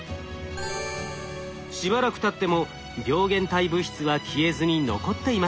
しばらくたっても病原体物質は消えずに残っていました。